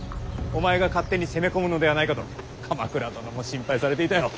お前が勝手に攻め込むのではないかと鎌倉殿も心配されていたよ。